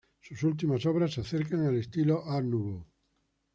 Sus últimas obras se acercan al estilo Arte Nouveau.